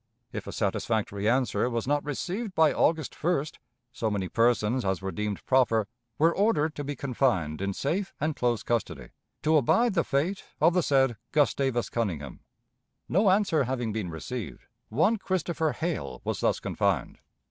If a satisfactory answer was not received by August 1st, so many persons as were deemed proper were ordered to be confined in safe and close custody, to abide the fate of the said Gustavus Conyngham. No answer having been received, one Christopher Hale was thus confined.